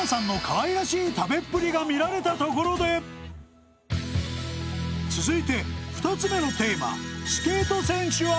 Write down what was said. かわいらしい食べっぷりが見られたところで続いて２つ目のテーマ